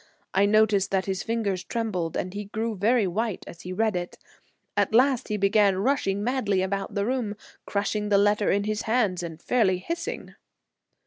I noticed that his fingers trembled and he grew very white as he read it. At last he began rushing madly about the room, crushing the letter in his hands and fairly hissing.